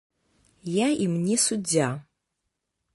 Я ім не суддзя.